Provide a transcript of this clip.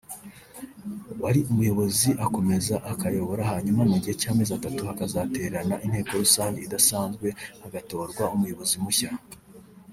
uwari umuyobozi akomeza akayobora hanyuma mu gihe cy’ amezi atatu hakazaterana inteko rusange idasanzwe hagatorwa umuyobozi mushya